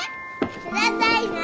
「くださいな」